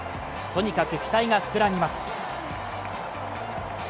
とにかく期待が膨らみます。